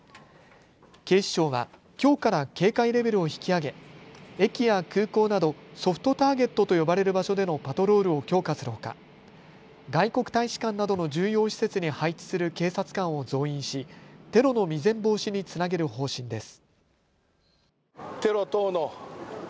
警視庁はきょうから警戒レベルを引き上げ駅や空港などソフトターゲットと呼ばれる場所でのパトロールを強化するほか外国大使館などの重要施設に配置する警察官を増員しテロの未然防止につなげる方針です。